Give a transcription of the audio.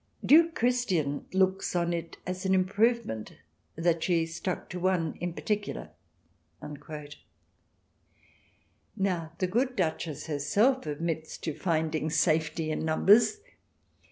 Duke Christian looks on it as an improvement that she stuck to one in particular." Now the good Duchess herselt admits to "finding safety in numbers."